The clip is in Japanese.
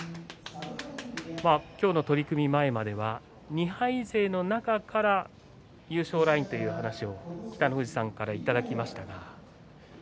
今日の取組前までは２敗勢の中から優勝ラインという話を北の富士さんからいただきましたね。